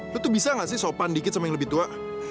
lu tuh bisa gak sih sopan dikit sama yang lebih tua